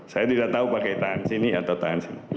saya tidak tahu pakai tangan sini atau tangan sini